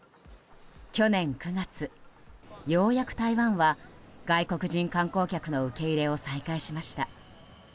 去年９月、ようやく台湾は外国人観光客の受け入れを再開しました。